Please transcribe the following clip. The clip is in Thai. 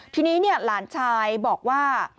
ทีนี้หลานชายบอกว่า